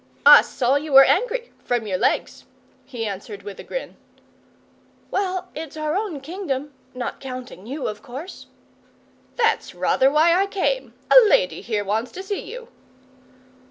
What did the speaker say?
'I saw you were angry from your legs,' he answered with a grin. 'Well, it's our own Kingdom not counting you, of course.' 'That's rather why I came. A lady here wants to see you.